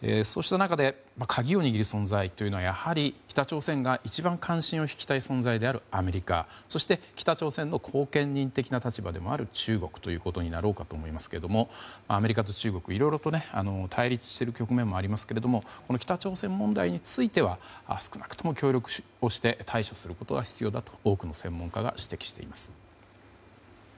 そうした中で鍵を握る存在というのはやはり北朝鮮が一番関心を引きたい存在であるアメリカそして北朝鮮の後見人的な立場でもある中国になろうかと思いますがアメリカと中国、いろいろと対立している局面もありますがこの北朝鮮問題については少なくとも協力をして対処することが必要だと多くの専門家が指摘しています。